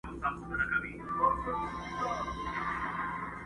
عدالت یې هر سړي ته وو منلی٫